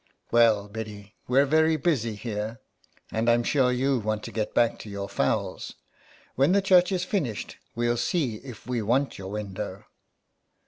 " Well, Biddy, we're very busy here, and I'm sure you want to get back to your fowls. When the church is finished we'll see if we want your window."